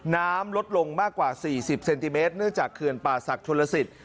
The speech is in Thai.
น้ำลดลงมากกว่า๔๐เซนติเมตรเนื่องจากเขื่อนป่าศักดิชนลสิต